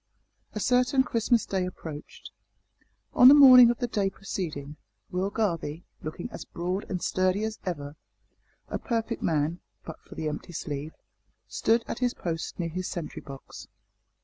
A certain Christmas day approached. On the morning of the day preceding, Will Garvie looking as broad and sturdy as ever; a perfect man, but for the empty sleeve stood at his post near his sentry box.